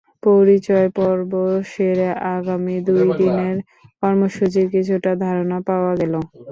পরিচয় পর্ব সেরে আগামী দুই দিনের কর্মসূচির কিছুটা ধারণা পাওয়া গেল।